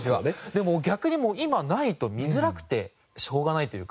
でも逆に今ないと見づらくてしょうがないというか。